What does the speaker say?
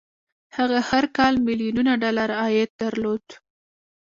هغه هر کال ميليونونه ډالر عايد درلود.